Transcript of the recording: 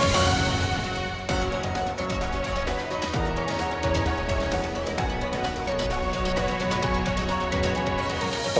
pembangunan jaya pura